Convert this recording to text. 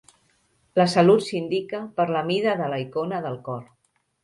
La salut s'indica per la mida de la icona del cor.